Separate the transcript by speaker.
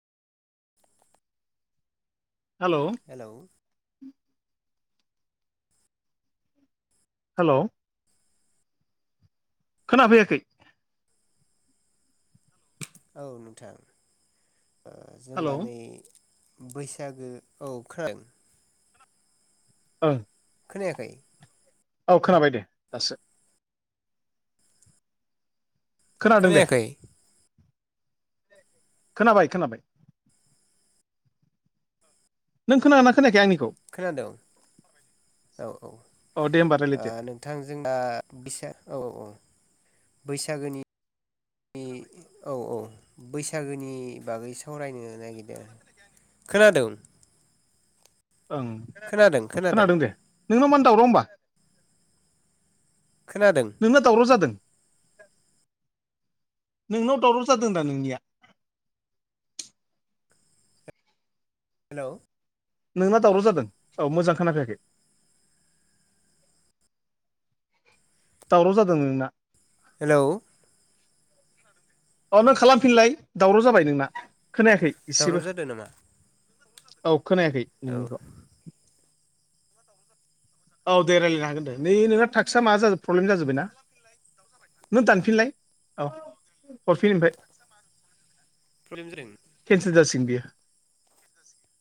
Speaker 1: Hello
Speaker 2: hello
Speaker 1: hello खोनाफैयाखै
Speaker 2: औ नोंथां ओ जों
Speaker 1: हेलौ
Speaker 2: दा नै बैसागो औ खोना
Speaker 1: ओं
Speaker 2: खोनायाखै
Speaker 1: औ खोनाबाय दे दासो खोनादों दे
Speaker 2: खोनायाखै
Speaker 1: खोनाबाय खोनाबाय नों खोनादोना खोनायाखै आंनिखौ
Speaker 2: खोनादों औ औ ओ
Speaker 1: अ दे होमबा रायलायदो
Speaker 2: नोंथ नोंथां जोंना बिसा औ औ औ बैसागुनि औ औ बैसागोनि बागै सावरायनो नागिरदों खोनादों
Speaker 1: ओं खोनादों दे नोंनाव मानो दावराव होमबा
Speaker 2: खोनादों
Speaker 1: नोंनाव दावराव जादों नोंनाव दावराव जादों दा नोंनिया
Speaker 2: हेल'
Speaker 1: नोंना दावराव जादों औ मोजां खोनाफैयाखै दावराव जादों नोंना
Speaker 2: हेलौ
Speaker 1: अ नों खालामफिनलाय दावराव जाबाय नोंना खोनायाखै
Speaker 2: दावराव
Speaker 1: एसेबो।
Speaker 2: जादों नामा
Speaker 1: औ खोनायाखै।
Speaker 2: औ।
Speaker 1: नोंनिखौ औ दे रायलायनो हागोन दे नै नोंना थाख्सा मा जाजोब प्रब्लेम जाजोबबाय ना? नों दानफिनलाय औ हरफिन ओमफ्राय।
Speaker 2: [unintelligible]
Speaker 1: केन्सेल जासिगोन बियो